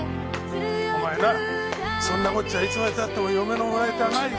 お前なぁそんな事じゃいつまで経っても嫁のもらい手がないぞ。